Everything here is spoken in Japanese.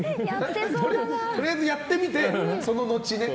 とりあえずやってみてその後ね。